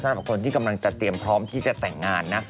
สำหรับคนที่กำลังจะเตรียมพร้อมที่จะแต่งงานนะ